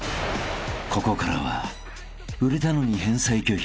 ［ここからは売れたのに返済拒否］